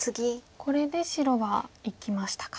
これで白は生きましたか。